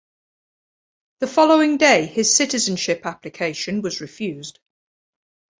The following day his citizenship application was refused.